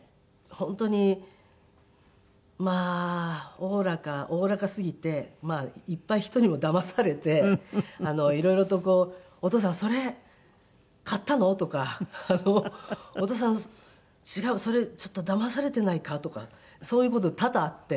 本当にまあおおらかおおらかすぎてまあいっぱい人にもだまされていろいろとこう「お父さんそれ買ったの？」とか「お父さん違うそれちょっとだまされてないか？」とかそういう事多々あって。